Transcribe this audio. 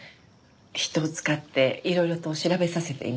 人を使っていろいろと調べさせています。